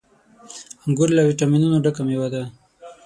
• انګور له ويټامينونو ډک مېوه ده.